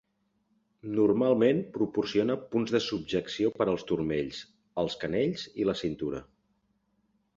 Normalment proporciona punts de subjecció per als turmells, els canells i la cintura.